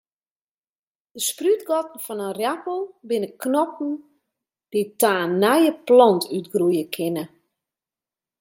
De sprútgatten fan in ierappel binne knoppen dy't ta in nije plant útgroeie kinne.